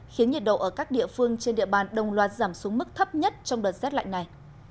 khiến nhiệt độ ở các địa phương trên địa bàn đồng loạt giảm xuống mức thấp nhất trong đợt rét lạnh này